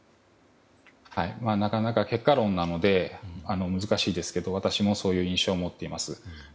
結果論なので難しいですけど、私もそういう印象を持っています。